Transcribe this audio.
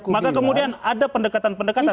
maka kemudian ada pendekatan pendekatan